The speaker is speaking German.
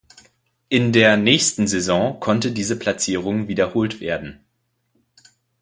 In der nächsten Saison konnte diese Platzierung wiederholt werden.